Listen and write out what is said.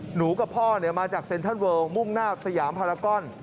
หนูกับพ่อมาจากเซ็นทรัลเวิลมุ่งหน้าสยามพารากอน